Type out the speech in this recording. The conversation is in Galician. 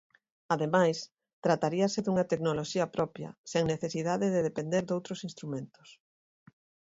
Ademais, trataríase dunha tecnoloxía propia, sen necesidade de depender doutros instrumentos.